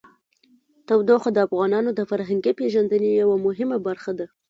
تودوخه د افغانانو د فرهنګي پیژندنې یوه مهمه برخه ده.